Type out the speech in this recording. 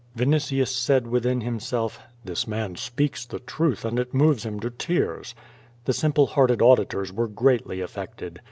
Vinitius said within himself, "this man speaks the truth and it moves him to tears.'^ The simple hearted auditors were greatly affected.